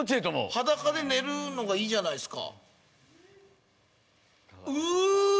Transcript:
裸で寝るのがいいじゃないですか。